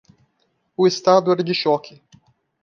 O estado era de choque.